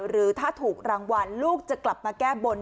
หรือถ้าถูกรางวัลลูกจะกลับมาแก้บน